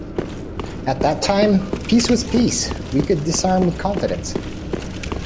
At that time, peace was peace. We could disarm with confidence.